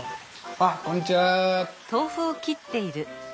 あっこんにちは。